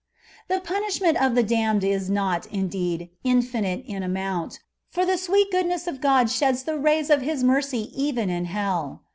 The punishment of the damned is not, indeed, infinite in amount ; for the sweet goodness of God sheds the rays of His mercy even in hell.